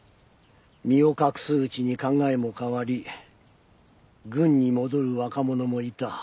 身を隠すうちに考えも変わり軍に戻る若者もいた。